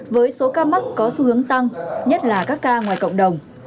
với số ca mắc có xu hướng tăng nhất là các ca ngoài cộng đồng